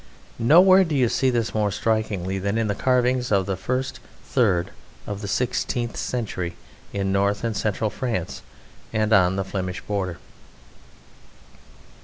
Nowhere do you see this more strikingly than in the carvings of the first third of the sixteenth century in Northern and Central France and on the Flemish border.